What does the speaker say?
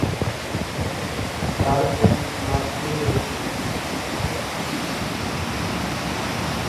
তার এক নাতনি রয়েছে।